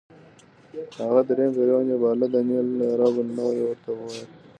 هغه درېیم فرعون یې باله، د نېل رب النوع یې ورته ویل.